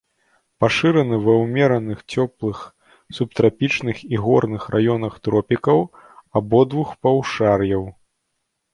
Пашыраны ва ўмерана цёплых, субтрапічных і горных раёнах тропікаў абодвух паўшар'яў.